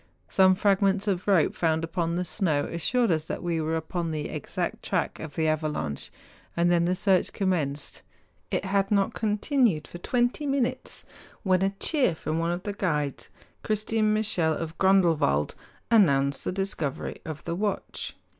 Some fragments of rope found upon the snow assured us that we were upon the exact track of the avalanche, and then the search com¬ menced. It had not continued for twenty minutes THE PEAK OF MORTERATSCH. 59 when a cheer from one of the guides—Christian Michel of Grondelwald—announced the discovery of the watch.